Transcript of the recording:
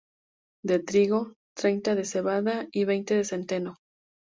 De trigo, treinta de cebada y veinte de centeno.